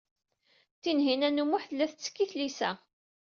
Tinhinan u Muḥ tella tettekk i tlisa.